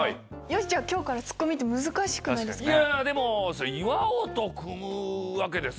よし今日からツッコミ！って難しくないですか？